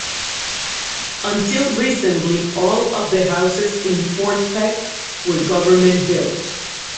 Until recently all of the houses in Fort Peck were government built.